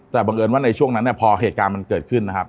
แต่บังเอิญว่าในช่วงนั้นเนี่ยพอเหตุการณ์มันเกิดขึ้นนะครับ